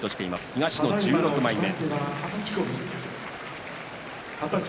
東の１６枚目。